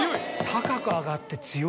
高く上がって強い。